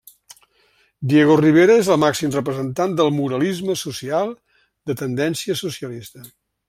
Diego Rivera és el màxim representant del muralisme social de tendència socialista.